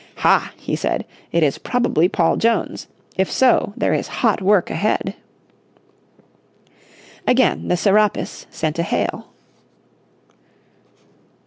"Hah," he said, "it is probably Paul Jones. If so there is hot work ahead." Again the Serapis sent a hail.